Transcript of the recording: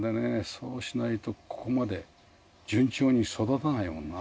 そうしないとここまで順調に育たないもんな。